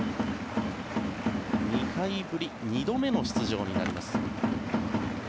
２年ぶり２度目の出場になります。